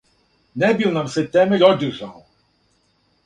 Не би л' нам се темељ обдржао,